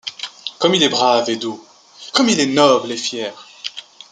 Comme il est brave et doux ! comme il est noble et fier !